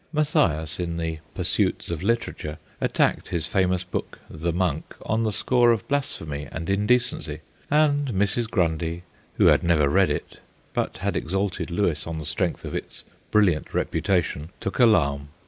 Mathias, in the Pursuits of Literature, attacked his famous book The Monk on the score of blasphemy and indecency, and Mrs. Grundy, who had never read it, but had exalted Lewis on the strength of its brilliant reputation, took alarm.